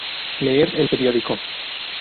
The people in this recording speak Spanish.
leer el periódico